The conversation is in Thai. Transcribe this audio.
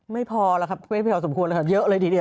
ไม่พอแล้วครับไม่พอสมควรเลยครับเยอะเลยทีเดียว